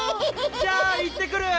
じゃあ行って来る！